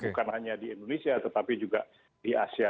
bukan hanya di indonesia tetapi juga di asia